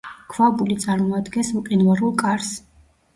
ქვაბული წარმოადგენს მყინვარულ კარს.